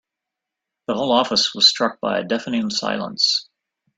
The whole office was struck by a deafening silence.